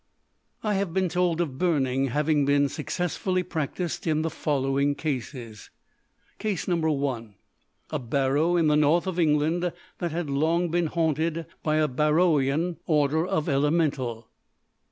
I have been told of "burning" having been successfully practised in the following cases: Case No. 1. A barrow in the North of England that had long been haunted by a Barrowian order of Elemental.